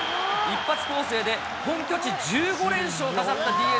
一発攻勢で本拠地１５連勝を飾ったＤｅＮＡ。